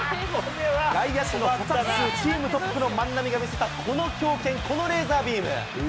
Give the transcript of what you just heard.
外野手の捕殺数チームトップの万波が見せた、この強肩、このレーザービーム。